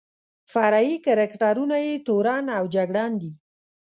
فرعي کرکټرونه یې تورن او جګړن دي.